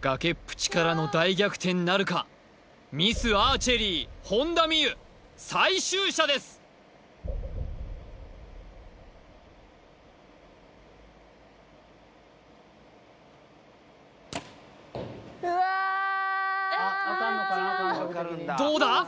崖っぷちからの大逆転なるかミスアーチェリー本田望結最終射ですうわどうだ？